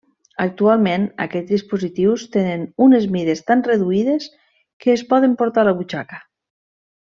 Actualment aquests dispositius tenen unes mides tan reduïdes que es poden portar a la butxaca.